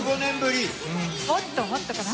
もっともっとかな？